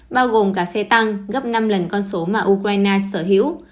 bao gồm cả xe tăng gấp năm lần con số mà ukraine sở hữu